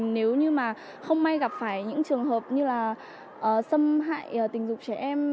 nếu như mà không may gặp phải những trường hợp như là xâm hại tình dục trẻ em